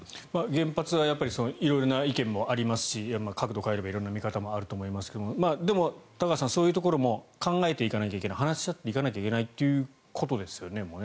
原発はやっぱり色々な意見もありますし角度を変えれば色んな見方があると思いますがでも高橋さん考えていかないといけない話し合っていかないといけないということですよね。